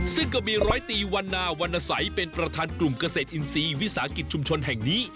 ซึ่งก็มีร้อยตีวันนาวรรณสัยเป็นประธานกลุ่มเกษตรอินทรีย์วิสาหกิจชุมชนแห่งนี้